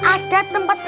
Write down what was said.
nanti aku akan nyambungin